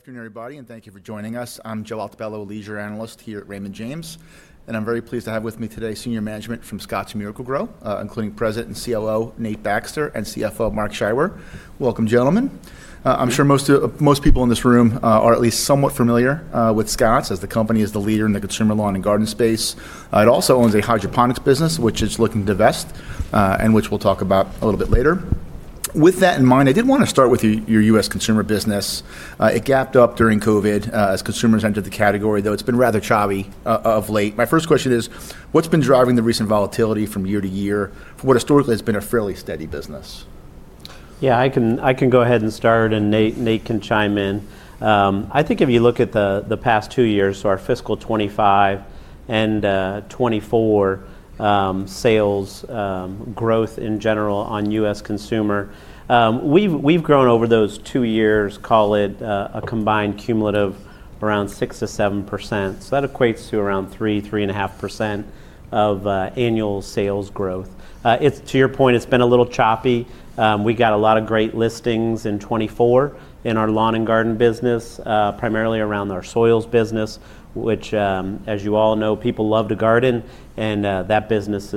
Good afternoon, everybody, and thank you for joining us. I'm Jill Altobello, a leisure analyst here at Raymond James, and I'm very pleased to have with me today senior management from Scotts Miracle-Gro, including President and COO Nate Baxter and CFO Mark Scheiwer. Welcome, gentlemen. I'm sure most people in this room are at least somewhat familiar with Scotts as the company is the leader in the consumer lawn and garden space. It also owns a hydroponics business, which is looking to invest, and which we'll talk about a little bit later. With that in mind, I did want to start with your U.S. consumer business. It gapped up during COVID as consumers entered the category, though it's been rather choppy of late. My first question is, what's been driving the recent volatility from year to year for what historically has been a fairly steady business? Yeah, I can go ahead and start, and Nate can chime in. I think if you look at the past two years, so our fiscal 2025 and 2024 sales growth in general on U.S. consumer, we've grown over those two years, call it a combined cumulative, around 6%-7%. So that equates to around 3%-3.5% of annual sales growth. To your point, it's been a little choppy. We got a lot of great listings in 2024 in our lawn and garden business, primarily around our soils business, which, as you all know, people love to garden, and that business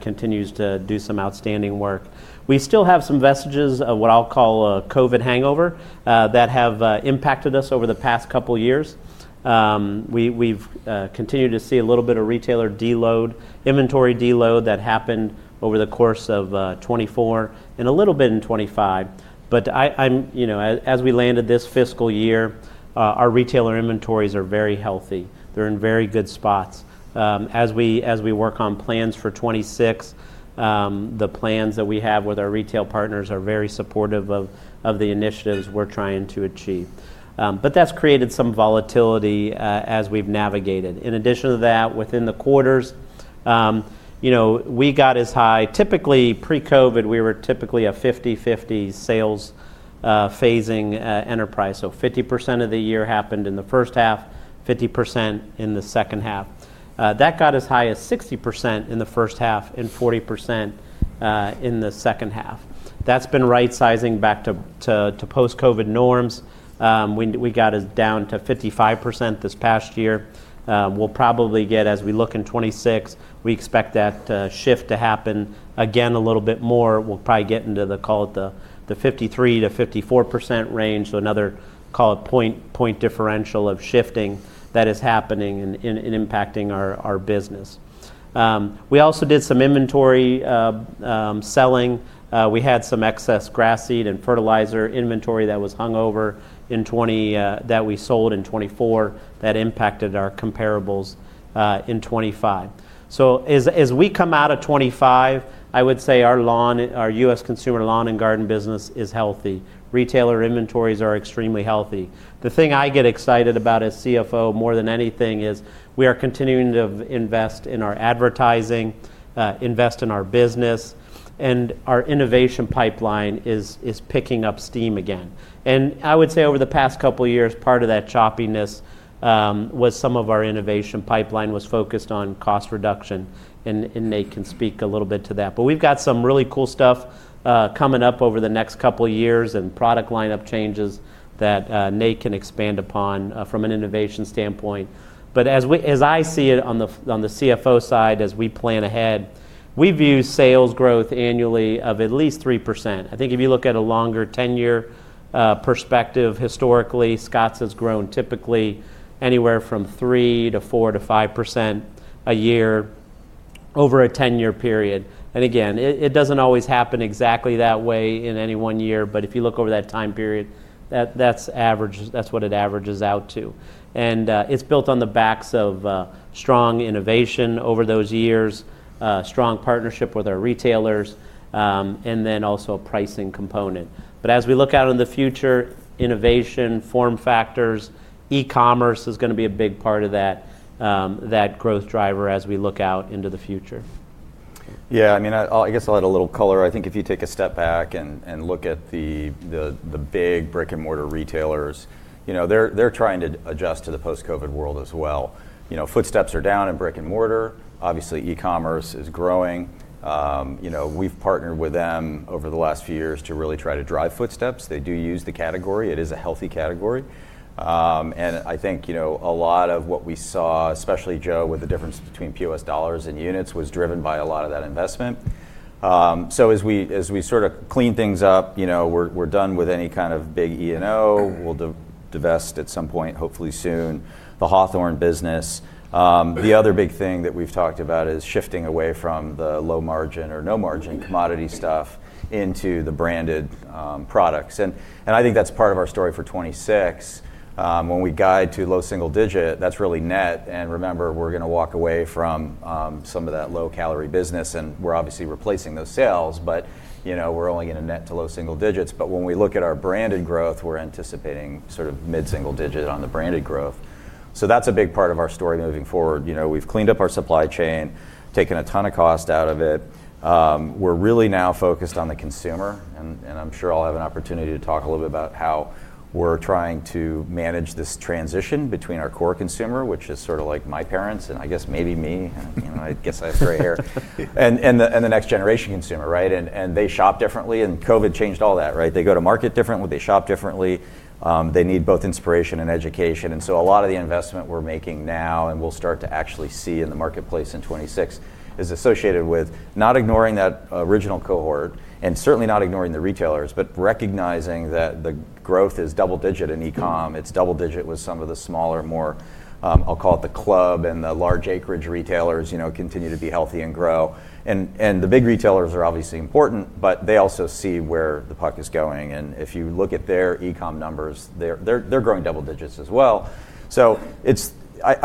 continues to do some outstanding work. We still have some vestiges of what I'll call a COVID hangover that have impacted us over the past couple of years. We've continued to see a little bit of retailer deload, inventory deload that happened over the course of 2024 and a little bit in 2025. But as we landed this fiscal year, our retailer inventories are very healthy. They're in very good spots. As we work on plans for 2026, the plans that we have with our retail partners are very supportive of the initiatives we're trying to achieve. But that's created some volatility as we've navigated. In addition to that, within the quarters, we got as high, typically pre-COVID, we were typically a 50/50 sales phasing enterprise. So 50% of the year happened in the first half, 50% in the second half. That got as high as 60% in the first half and 40% in the second half. That's been right-sizing back to post-COVID norms. We got down to 55% this past year. We'll probably get, as we look in 2026, we expect that shift to happen again a little bit more. We'll probably get into the, call it the 53%-54% range, so another, call it point differential of shifting that is happening and impacting our business. We also did some inventory selling. We had some excess grass seed and fertilizer inventory that was hung over in 2020 that we sold in 2024 that impacted our comparables in 2025. So as we come out of 2025, I would say our U.S. consumer lawn and garden business is healthy. Retailer inventories are extremely healthy. The thing I get excited about as CFO more than anything is we are continuing to invest in our advertising, invest in our business, and our innovation pipeline is picking up steam again. I would say over the past couple of years, part of that choppiness was some of our innovation pipeline was focused on cost reduction, and Nate can speak a little bit to that. We've got some really cool stuff coming up over the next couple of years and product lineup changes that Nate can expand upon from an innovation standpoint. As I see it on the CFO side, as we plan ahead, we view sales growth annually of at least 3%. I think if you look at a longer 10-year perspective, historically, Scotts has grown typically anywhere from 3% to 4% to 5% a year over a 10-year period. Again, it doesn't always happen exactly that way in any one year, but if you look over that time period, that's what it averages out to. And it's built on the backs of strong innovation over those years, strong partnership with our retailers, and then also a pricing component. But as we look out in the future, innovation, form factors, E-commerce is going to be a big part of that growth driver as we look out into the future. Yeah, I mean, I guess I'll add a little color. I think if you take a step back and look at the big brick-and-mortar retailers, they're trying to adjust to the post-COVID world as well. Foot traffic is down in brick-and-mortar. Obviously, E-commerce is growing. We've partnered with them over the last few years to really try to drive foot traffic. They do use the category. It is a healthy category. And I think a lot of what we saw, especially Joe, with the difference between POS dollars and units, was driven by a lot of that investment. So as we sort of clean things up, we're done with any kind of big E&O. We'll divest at some point, hopefully soon, the Hawthorne business. The other big thing that we've talked about is shifting away from the low margin or no margin commodity stuff into the branded products. I think that's part of our story for 2026. When we guide to low single digit, that's really net. And remember, we're going to walk away from some of that low-calorie business, and we're obviously replacing those sales, but we're only going to net to low single digits. But when we look at our branded growth, we're anticipating sort of mid-single digit on the branded growth. So that's a big part of our story moving forward. We've cleaned up our supply chain, taken a ton of cost out of it. We're really now focused on the consumer, and I'm sure I'll have an opportunity to talk a little bit about how we're trying to manage this transition between our core consumer, which is sort of like my parents and I guess maybe me. I guess I have gray hair. And the next generation consumer, right? And they shop differently, and COVID changed all that, right? They go to market differently. They shop differently. They need both inspiration and education. And so a lot of the investment we're making now and we'll start to actually see in the marketplace in 2026 is associated with not ignoring that original cohort and certainly not ignoring the retailers, but recognizing that the growth is double-digit in e-comm. It's double-digit with some of the smaller, more, I'll call it the club and the large acreage retailers continue to be healthy and grow. And the big retailers are obviously important, but they also see where the puck is going. And if you look at their e-comm numbers, they're growing double digits as well. So I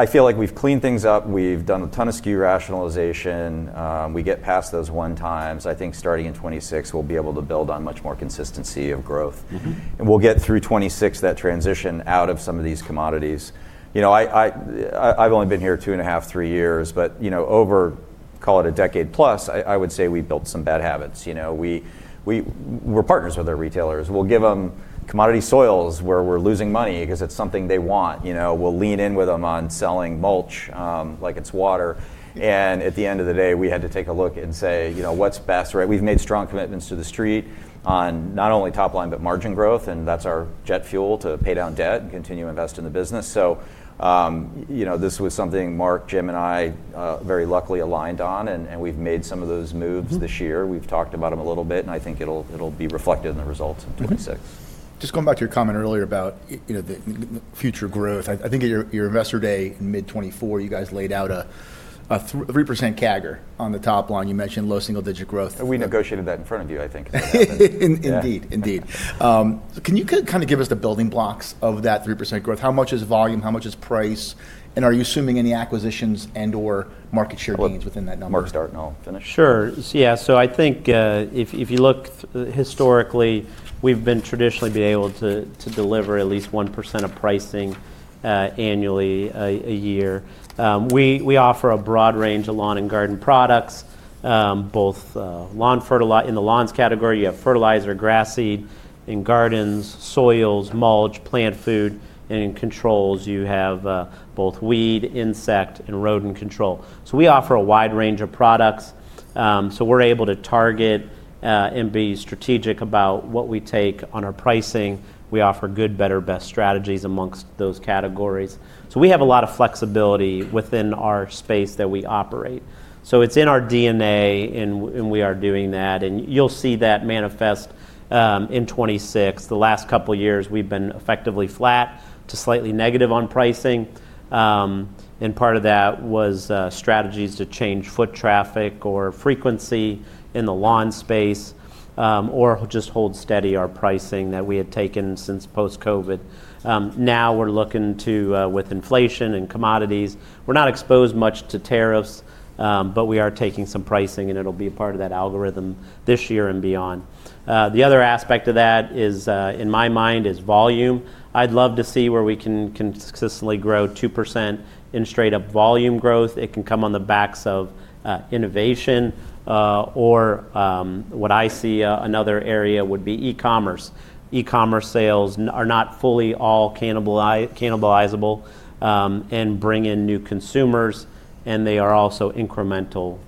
feel like we've cleaned things up. We've done a ton of SKU rationalization. We get past those one times. I think starting in 2026, we'll be able to build on much more consistency of growth, and we'll get through 2026, that transition out of some of these commodities. I've only been here two and a half, three years, but over, call it a decade plus, I would say we built some bad habits. We're partners with our retailers. We'll give them commodity soils where we're losing money because it's something they want. We'll lean in with them on selling mulch like it's water, and at the end of the day, we had to take a look and say, what's best, right? We've made strong commitments to the street on not only top line, but margin growth, and that's our jet fuel to pay down debt and continue to invest in the business. So this was something Mark, Jim, and I very luckily aligned on, and we've made some of those moves this year. We've talked about them a little bit, and I think it'll be reflected in the results in 2026. Just going back to your comment earlier about future growth, I think at your investor day in mid-2024, you guys laid out a 3% CAGR on the top line. You mentioned low single-digit growth. We negotiated that in front of you, I think. Indeed, indeed. Can you kind of give us the building blocks of that 3% growth? How much is volume? How much is price? And are you assuming any acquisitions and/or market share gains within that number? Mark start and I'll, finish. Sure. Yeah. So I think if you look historically, we've traditionally been able to deliver at least 1% of pricing annually a year. We offer a broad range of lawn and garden products, both in the lawns category. You have fertilizer, grass seed in gardens, soils, mulch, plant food, and in controls, you have both weed, insect, and rodent control. So we offer a wide range of products. So we're able to target and be strategic about what we take on our pricing. We offer good, better, best strategies amongst those categories. So we have a lot of flexibility within our space that we operate. So it's in our DNA, and we are doing that. You'll see that manifest in 2026. The last couple of years, we've been effectively flat to slightly negative on pricing. And part of that was strategies to change foot traffic or frequency in the lawn space or just hold steady our pricing that we had taken since post-COVID. Now we're looking to, with inflation and commodities, we're not exposed much to tariffs, but we are taking some pricing, and it'll be a part of that algorithm this year and beyond. The other aspect of that, in my mind, is volume. I'd love to see where we can consistently grow 2% in straight-up volume growth. It can come on the backs of innovation, or what I see another area would be E-Commerce. E-commerce sales are not fully all cannibalizable and bring in new consumers, and they are also incremental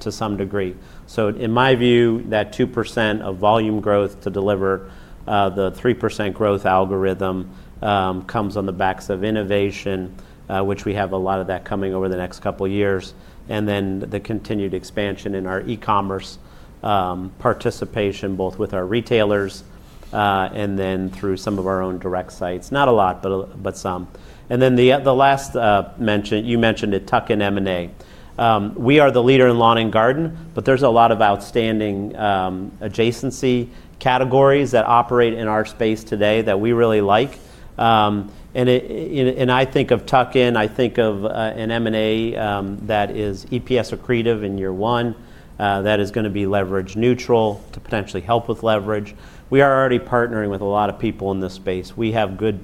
to some degree. So in my view, that 2% of volume growth to deliver the 3% growth algorithm comes on the backs of innovation, which we have a lot of that coming over the next couple of years, and then the continued expansion in our E-commerce participation, both with our retailers and then through some of our own direct sites. Not a lot, but some. And then the last mention, you mentioned a tuck-in and M&A. We are the leader in lawn and garden, but there's a lot of outstanding adjacency categories that operate in our space today that we really like. And I think of tuck-in, I think of an M&A that is EPS accretive in year one that is going to be leverage neutral to potentially help with leverage. We are already partnering with a lot of people in this space. We have good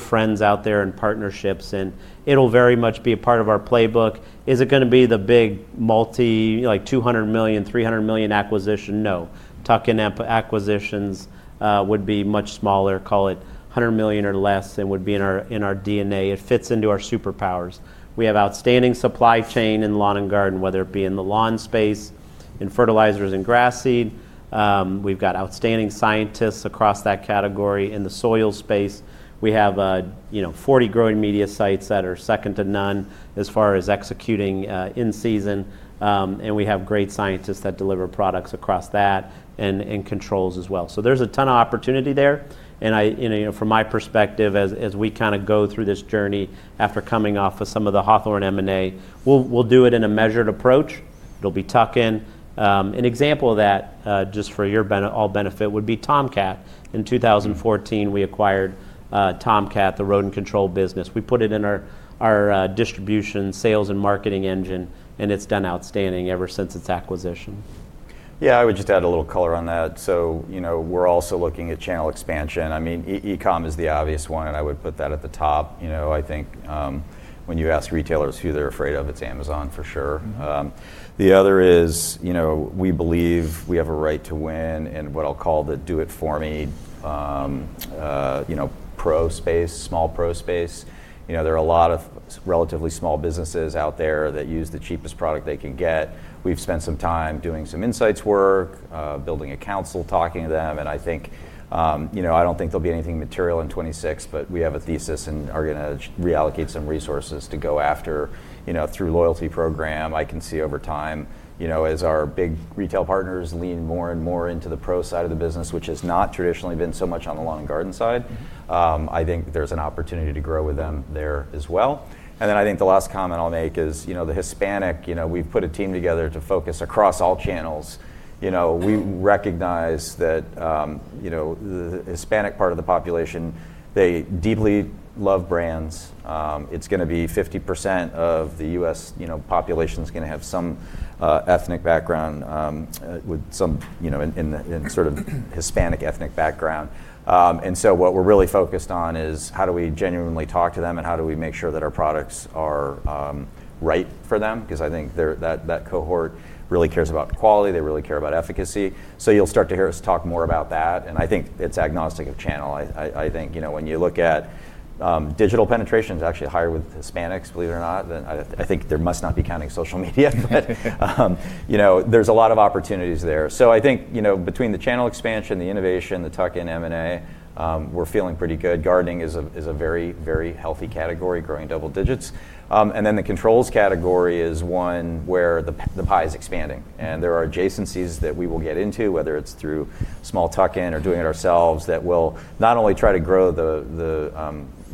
friends out there and partnerships, and it'll very much be a part of our playbook. Is it going to be the big multi, like $200 million, $300 million acquisition? No. Tuck-in acquisitions would be much smaller, call it $100 million or less, and would be in our DNA. It fits into our superpowers. We have outstanding supply chain in lawn and garden, whether it be in the lawn space, in fertilizers, and grass seed. We've got outstanding scientists across that category. In the soil space, we have 40 growing media sites that are second to none as far as executing in season, and we have great scientists that deliver products across that and controls as well, so there's a ton of opportunity there. From my perspective, as we kind of go through this journey after coming off of some of the Hawthorne M&A, we'll do it in a measured approach. It'll be tuck in. An example of that, just for y'all's benefit, would be Tomcat. In 2014, we acquired Tomcat, the rodent control business. We put it in our distribution, sales, and marketing engine, and it's done outstanding ever since its acquisition. Yeah, I would just add a little color on that. So we're also looking at channel expansion. I mean, e-comm is the obvious one, and I would put that at the top. I think when you ask retailers who they're afraid of, it's Amazon for sure. The other is we believe we have a right to win in what I'll call the do-it-for-me pro space, small pro space. There are a lot of relatively small businesses out there that use the cheapest product they can get. We've spent some time doing some insights work, building a council, talking to them. And I don't think there'll be anything material in 2026, but we have a thesis and are going to reallocate some resources to go after through a loyalty program. I can see over time as our big retail partners lean more and more into the pro side of the business, which has not traditionally been so much on the lawn and garden side. I think there's an opportunity to grow with them there as well. And then I think the last comment I'll make is the Hispanic. We've put a team together to focus across all channels. We recognize that the Hispanic part of the population, they deeply love brands. It's going to be 50% of the U.S. population is going to have some ethnic background with some sort of Hispanic ethnic background. And so what we're really focused on is how do we genuinely talk to them and how do we make sure that our products are right for them? Because I think that cohort really cares about quality. They really care about efficacy. So you'll start to hear us talk more about that. And I think it's agnostic of channel. I think when you look at digital penetration, it's actually higher with Hispanics, believe it or not. I think there must not be counting social media, but there's a lot of opportunities there. So I think between the channel expansion, the innovation, the tuck and M&A, we're feeling pretty good. Gardening is a very, very healthy category, growing double digits. And then the controls category is one where the pie is expanding. And there are adjacencies that we will get into, whether it's through small tuck-in or doing it ourselves, that will not only try to grow the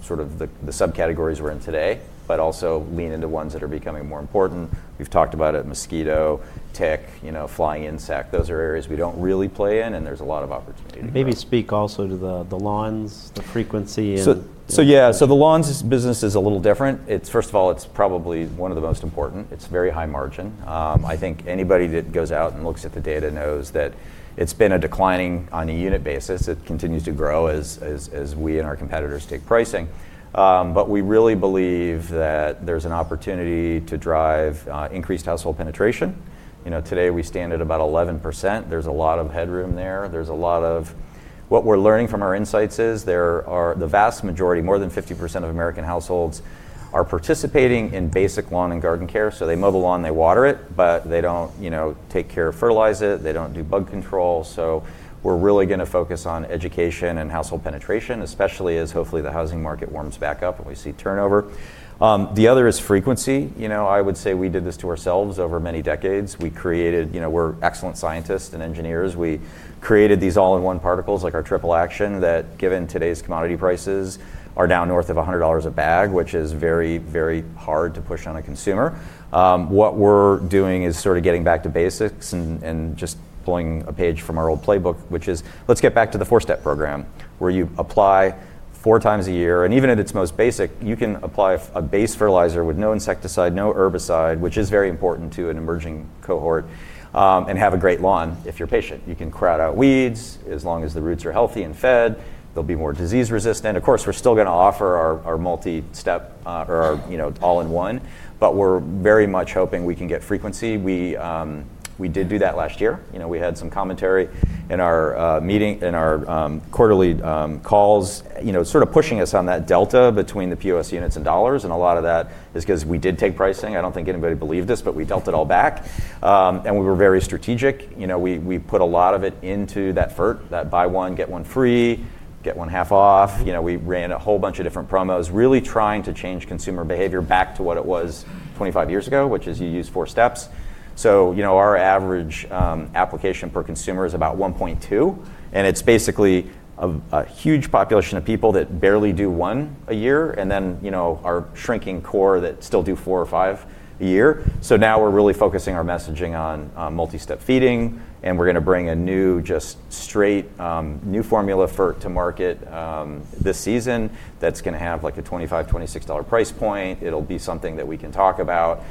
sort of the subcategories we're in today, but also lean into ones that are becoming more important. We've talked about it, mosquito, tick, flying insect. Those are areas we don't really play in, and there's a lot of opportunity. Maybe speak also to the lawns, the frequency, and. So yeah, so the lawns business is a little different. First of all, it's probably one of the most important. It's very high margin. I think anybody that goes out and looks at the data knows that it's been declining on a unit basis. It continues to grow as we and our competitors take pricing. But we really believe that there's an opportunity to drive increased household penetration. Today, we stand at about 11%. There's a lot of headroom there. There's a lot of what we're learning from our insights is the vast majority, more than 50% of American households are participating in basic lawn and garden care. So they mow the lawn, they water it, but they don't take care of it, fertilize it. They don't do bug control. So we're really going to focus on education and household penetration, especially as hopefully the housing market warms back up and we see turnover. The other is frequency. I would say we did this to ourselves over many decades. We created, we're excellent scientists and engineers. We created these all-in-one particles like our Triple Action that, given today's commodity prices, are now north of $100 a bag, which is very, very hard to push on a consumer. What we're doing is sort of getting back to basics and just pulling a page from our old playbook, which is let's get back to the four-step program where you apply four times a year. And even at its most basic, you can apply a base fertilizer with no insecticide, no herbicide, which is very important to an emerging cohort and have a great lawn if you're patient. You can crowd out weeds as long as the roots are healthy and fed. They'll be more disease resistant. Of course, we're still going to offer our multi-step or our all-in-one, but we're very much hoping we can get frequency. We did do that last year. We had some commentary in our quarterly calls, sort of pushing us on that delta between the POS units and dollars. And a lot of that is because we did take pricing. I don't think anybody believed this, but we dealt it all back. And we were very strategic. We put a lot of it into that FERT, that buy one, get one free, get one half off. We ran a whole bunch of different promos, really trying to change consumer behavior back to what it was 25 years ago, which is you use four steps. Our average application per consumer is about 1.2, and it's basically a huge population of people that barely do one a year and then our shrinking core that still do four or five a year. Now we're really focusing our messaging on multi-step feeding, and we're going to bring a new, just straight new formula FERT to market this season that's going to have like a $25 to $26 price point. It'll be something that we can talk about.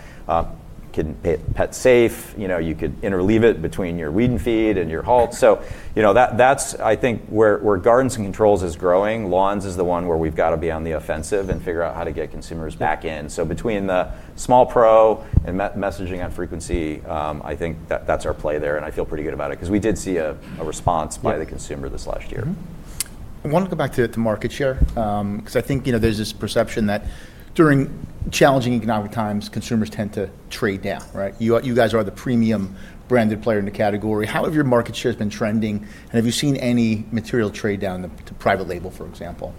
It can be pet safe. You could interleave it between your Weed & Feed and your Halt. That's, I think, where gardens and controls is growing. Lawns is the one where we've got to be on the offensive and figure out how to get consumers back in. So between the small pro and messaging on frequency, I think that's our play there, and I feel pretty good about it because we did see a response by the consumer this last year. I want to go back to market share because I think there's this perception that during challenging economic times, consumers tend to trade down, right? You guys are the premium branded player in the category. How have your market shares been trending, and have you seen any material trade down to private label, for example?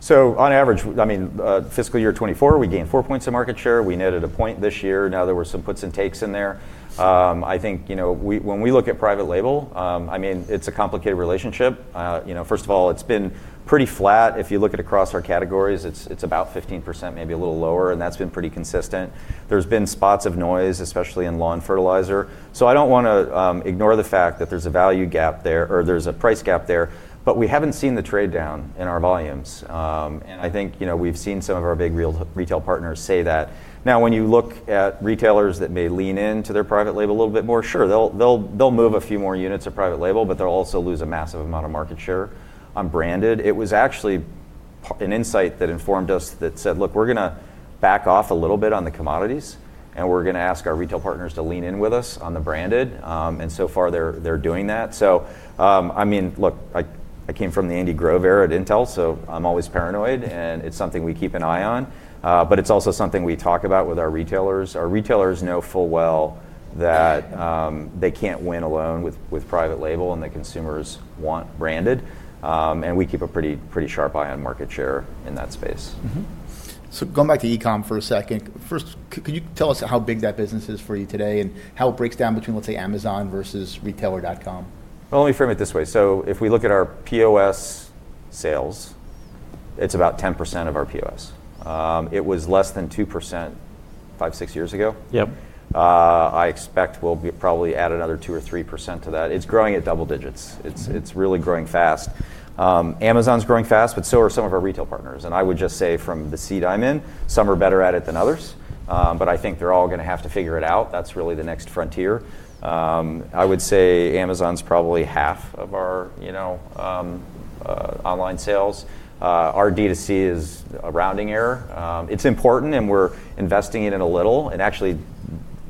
So on average, I mean, fiscal year 2024, we gained four points of market share. We netted a point this year. Now there were some puts and takes in there. I think when we look at private label, I mean, it's a complicated relationship. First of all, it's been pretty flat. If you look at across our categories, it's about 15%, maybe a little lower, and that's been pretty consistent. There's been spots of noise, especially in lawn fertilizer. So I don't want to ignore the fact that there's a value gap there or there's a price gap there, but we haven't seen the trade down in our volumes. And I think we've seen some of our big retail partners say that. Now, when you look at retailers that may lean into their private label a little bit more, sure, they'll move a few more units of private label, but they'll also lose a massive amount of market share on branded. It was actually an insight that informed us that said, "Look, we're going to back off a little bit on the commodities, and we're going to ask our retail partners to lean in with us on the branded," and so far, they're doing that. So I mean, look, I came from the Andy Grove era at Intel, so I'm always paranoid, and it's something we keep an eye on, but it's also something we talk about with our retailers. Our retailers know full well that they can't win alone with private label, and the consumers want branded, and we keep a pretty sharp eye on market share in that space. So going back to e-comm for a second, first, could you tell us how big that business is for you today and how it breaks down between, let's say, Amazon versus retailer.com? Let me frame it this way. If we look at our POS sales, it's about 10% of our POS. It was less than 2% five, six years ago. I expect we'll probably add another 2% or 3% to that. It's growing at double digits. It's really growing fast. Amazon's growing fast, but so are some of our retail partners. I would just say from the seat I'm in, some are better at it than others, but I think they're all going to have to figure it out. That's really the next frontier. I would say Amazon's probably half of our online sales. Our DTC is a rounding error. It's important, and we're investing in it a little. Actually,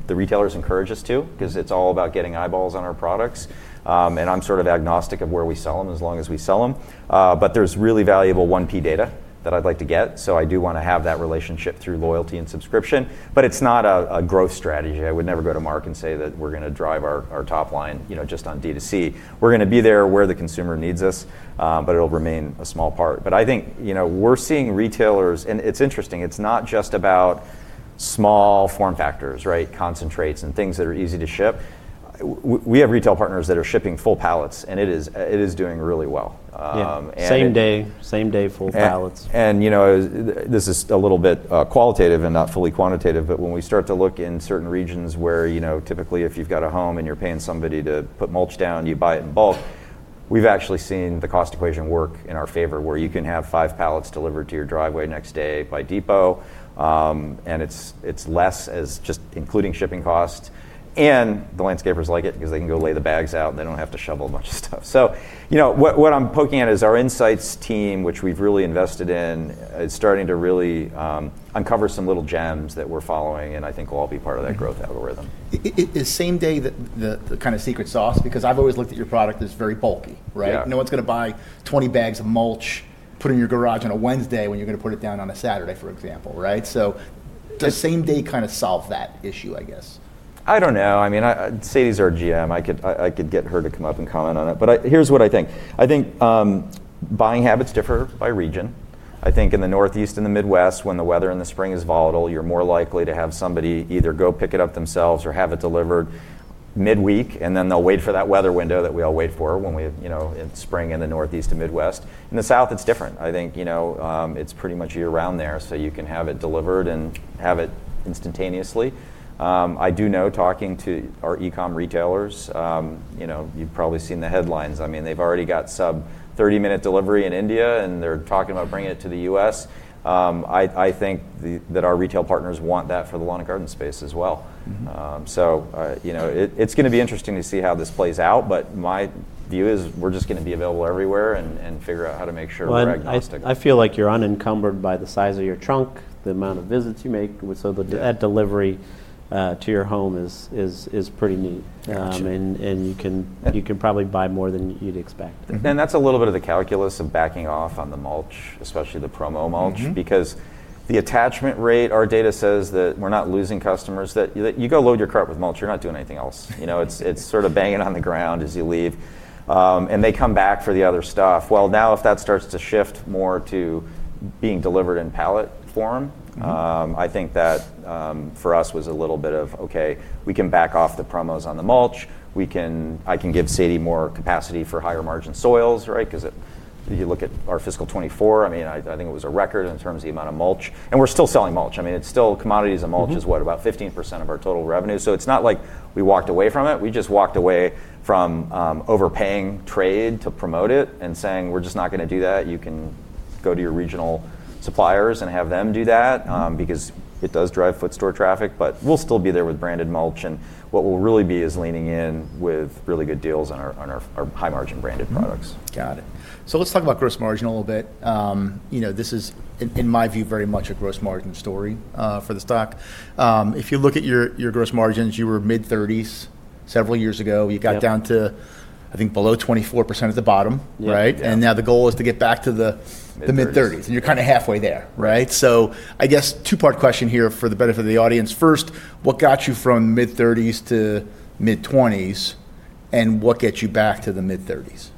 the retailers encourage us to because it's all about getting eyeballs on our products. And I'm sort of agnostic of where we sell them as long as we sell them. But there's really valuable one-piece data that I'd like to get. So I do want to have that relationship through loyalty and subscription, but it's not a growth strategy. I would never go to Mark and say that we're going to drive our top line just on DTC. We're going to be there where the consumer needs us, but it'll remain a small part. But I think we're seeing retailers, and it's interesting. It's not just about small form factors, right, concentrates and things that are easy to ship. We have retail partners that are shipping full pallets, and it is doing really well. Same day, same day, full pallets. And this is a little bit qualitative and not fully quantitative, but when we start to look in certain regions where typically if you've got a home and you're paying somebody to put mulch down, you buy it in bulk, we've actually seen the cost equation work in our favor where you can have five pallets delivered to your driveway next day by Depot, and it's less as just including shipping costs. And the landscapers like it because they can go lay the bags out, and they don't have to shovel a bunch of stuff. So what I'm poking at is our insights team, which we've really invested in, is starting to really uncover some little gems that we're following, and I think we'll all be part of that growth algorithm. Is same day the kind of secret sauce? Because I've always looked at your product as very bulky, right? No one's going to buy 20 bags of mulch put in your garage on a Wednesday when you're going to put it down on a Saturday, for example, right? So does same day kind of solve that issue, I guess? I don't know. I mean, I'd say these are a GM. I could get her to come up and comment on it. But here's what I think. I think buying habits differ by region. I think in the northeast and the Midwest, when the weather in the spring is volatile, you're more likely to have somebody either go pick it up themselves or have it delivered midweek, and then they'll wait for that weather window that we all wait for in spring in the northeast and the Midwest. In the south, it's different. I think it's pretty much year-round there, so you can have it delivered and have it instantaneously. I do know talking to our e-comm retailers, you've probably seen the headlines. I mean, they've already got sub-30-minute delivery in India, and they're talking about bringing it to the U.S. I think that our retail partners want that for the lawn and garden space as well. So it's going to be interesting to see how this plays out, but my view is we're just going to be available everywhere and figure out how to make sure we're agnostic. I feel like you're unencumbered by the size of your trunk, the amount of visits you make. So that delivery to your home is pretty neat, and you can probably buy more than you'd expect. That's a little bit of the calculus of backing off on the mulch, especially the promo mulch, because the attachment rate, our data says that we're not losing customers, that you go load your cart with mulch, you're not doing anything else. It's sort of banging on the ground as you leave. They come back for the other stuff. Now if that starts to shift more to being delivered in pallet form, I think that for us was a little bit of, okay, we can back off the promos on the mulch. I can give Sadie more capacity for higher margin soils, right? Because you look at our fiscal 2024, I mean, I think it was a record in terms of the amount of mulch. We're still selling mulch. I mean, it's still commodities and mulch is, what, about 15% of our total revenue. So it's not like we walked away from it. We just walked away from overpaying trade to promote it and saying, "We're just not going to do that. You can go to your regional suppliers and have them do that," because it does drive foot traffic, but we'll still be there with branded mulch. And what we'll really be is leaning in with really good deals on our high-margin branded products. Got it. So let's talk about gross margin a little bit. This is, in my view, very much a gross margin story for the stock. If you look at your gross margins, you were mid-30s several years ago. You got down to, I think, below 24% at the bottom, right? And now the goal is to get back to the mid-30s, and you're kind of halfway there, right? So I guess two-part question here for the benefit of the audience. First, what got you from mid-30s to mid-20s, and what gets you back to the mid-30s?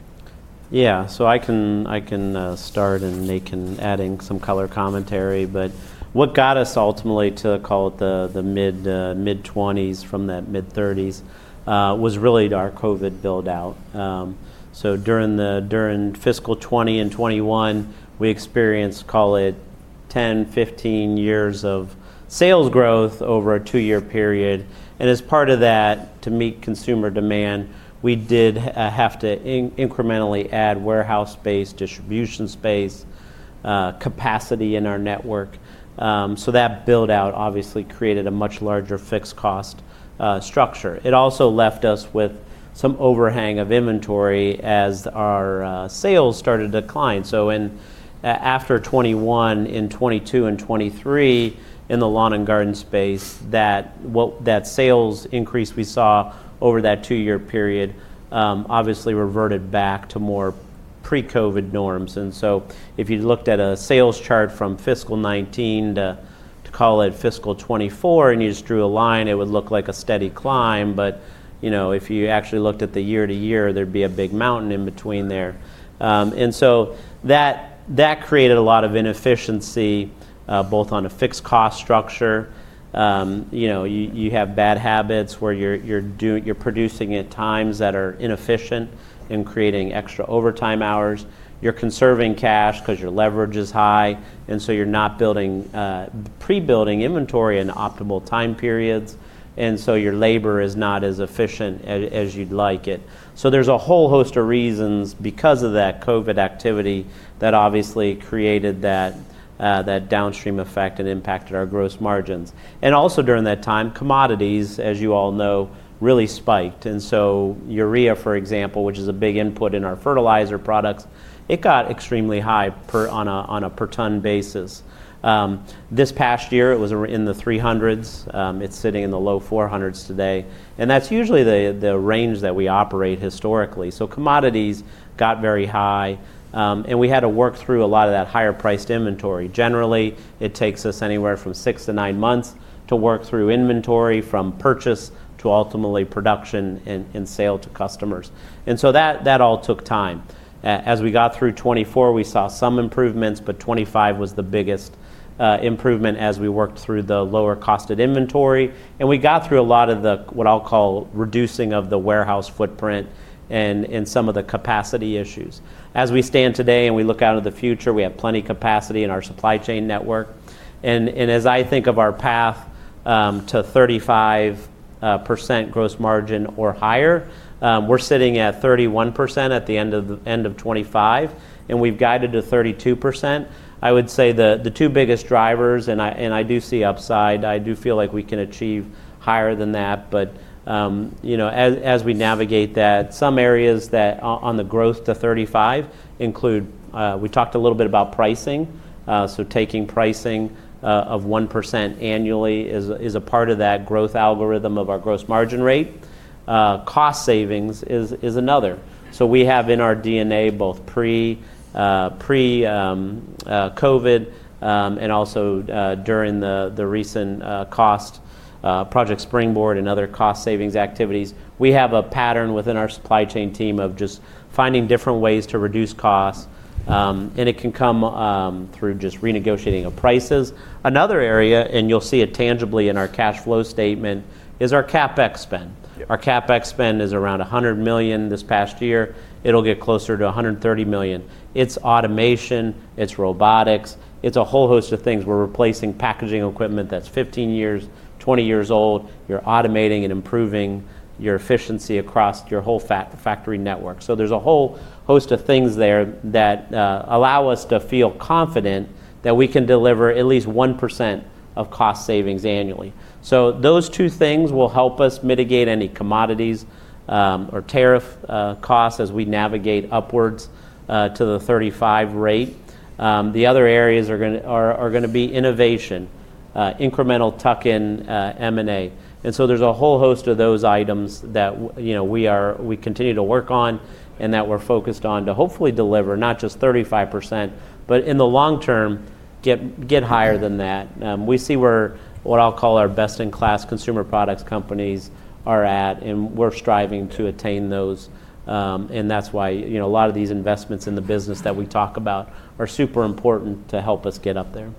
Yeah. So I can start, and Nate can add in some color commentary, but what got us ultimately to call it the mid-20s from that mid-30s was really our COVID buildout. So during fiscal 2020 and 2021, we experienced, call it, 10, 15 years of sales growth over a two-year period. And as part of that, to meet consumer demand, we did have to incrementally add warehouse space, distribution space, capacity in our network. So that buildout obviously created a much larger fixed cost structure. It also left us with some overhang of inventory as our sales started to decline. So after 2021, in 2022 and 2023, in the lawn and garden space, that sales increase we saw over that two-year period obviously reverted back to more pre-COVID norms. And so if you looked at a sales chart from fiscal 2019 to, call it, fiscal 2024, and you just drew a line, it would look like a steady climb. But if you actually looked at the year-to-year, there'd be a big mountain in between there. And so that created a lot of inefficiency, both on a fixed cost structure. You have bad habits where you're producing at times that are inefficient and creating extra overtime hours. You're conserving cash because your leverage is high, and so you're not pre-building inventory in optimal time periods. And so your labor is not as efficient as you'd like it. So there's a whole host of reasons because of that COVID activity that obviously created that downstream effect and impacted our gross margins. And also during that time, commodities, as you all know, really spiked. And so Urea, for example, which is a big input in our fertilizer products, it got extremely high on a per ton basis. This past year, it was in the 300s. It's sitting in the low 400s today. And that's usually the range that we operate historically. So commodities got very high, and we had to work through a lot of that higher-priced inventory. Generally, it takes us anywhere from six to nine months to work through inventory from purchase to ultimately production and sale to customers. And so that all took time. As we got through 2024, we saw some improvements, but 2025 was the biggest improvement as we worked through the lower-costed inventory. And we got through a lot of the what I'll call reducing of the warehouse footprint and some of the capacity issues. As we stand today and we look out into the future, we have plenty of capacity in our supply chain network. And as I think of our path to 35% gross margin or higher, we're sitting at 31% at the end of 2025, and we've guided to 32%. I would say the two biggest drivers, and I do see upside. I do feel like we can achieve higher than that, but as we navigate that, some areas on the growth to 35 include we talked a little bit about pricing. So taking pricing of 1% annually is a part of that growth algorithm of our gross margin rate. Cost savings is another. So we have in our DNA both pre-COVID and also during the recent cost, Project Springboard and other cost savings activities. We have a pattern within our supply chain team of just finding different ways to reduce costs, and it can come through just renegotiating of prices. Another area, and you'll see it tangibly in our cash flow statement, is our CapEx spend. Our CapEx spend is around $100 million this past year. It'll get closer to $130 million. It's automation. It's robotics. It's a whole host of things. We're replacing packaging equipment that's 15 years, 20 years old. You're automating and improving your efficiency across your whole factory network. So there's a whole host of things there that allow us to feel confident that we can deliver at least 1% of cost savings annually. So those two things will help us mitigate any commodities or tariff costs as we navigate upwards to the 2035 rate. The other areas are going to be innovation, incremental tuck-in M&A. There's a whole host of those items that we continue to work on and that we're focused on to hopefully deliver not just 35%, but in the long term, get higher than that. We see where what I'll call our best-in-class consumer products companies are at, and we're striving to attain those. That's why a lot of these investments in the business that we talk about are super important to help us get up there.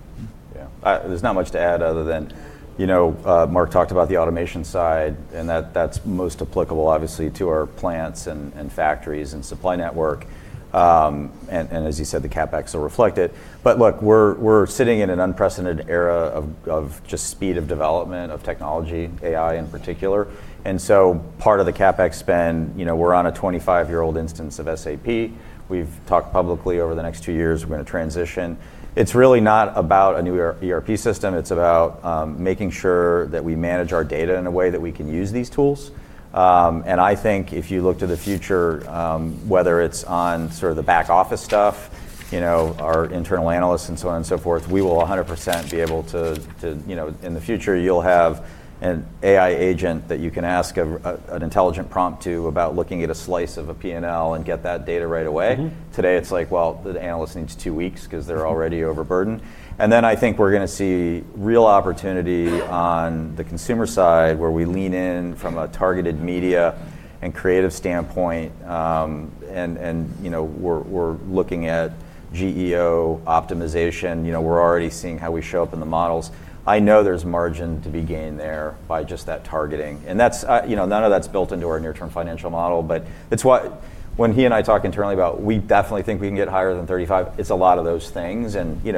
Yeah. There's not much to add other than Mark talked about the automation side, and that's most applicable, obviously, to our plants and factories and supply network. And as you said, the CapEx will reflect it. But look, we're sitting in an unprecedented era of just speed of development of technology, AI in particular. And so part of the CapEx spend, we're on a 25-year-old instance of SAP. We've talked publicly over the next two years we're going to transition. It's really not about a new ERP system. It's about making sure that we manage our data in a way that we can use these tools. I think if you look to the future, whether it's on sort of the back office stuff, our internal analysts and so on and so forth, we will 100% be able to in the future. You'll have an AI agent that you can ask an intelligent prompt to about looking at a slice of a P&L and get that data right away. Today, it's like, well, the analyst needs two weeks because they're already overburdened. Then I think we're going to see real opportunity on the consumer side where we lean in from a targeted media and creative standpoint. We're looking at GEO optimization. We're already seeing how we show up in the models. I know there's margin to be gained there by just that targeting. And none of that's built into our near-term financial model, but when he and I talk internally about, "We definitely think we can get higher than 35," it's a lot of those things. And we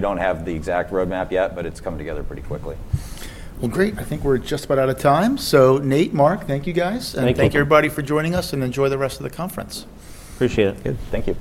don't have the exact roadmap yet, but it's coming together pretty quickly. Well, great. I think we're just about out of time. So Nate, Mark, thank you guys. Thank you. Thank everybody for joining us, and enjoy the rest of the conference. Appreciate it. Good. Thank you.